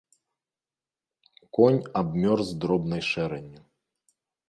Конь абмёрз дробнай шэранню.